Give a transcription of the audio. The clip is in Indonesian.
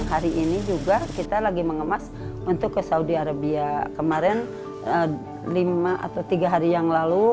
hari ini juga kita lagi mengemas untuk ke saudi arabia kemarin lima atau tiga hari yang lalu